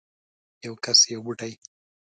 یو کس یو بوټی